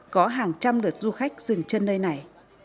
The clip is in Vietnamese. có hàng trăm đợt du khách dừng chân nơi này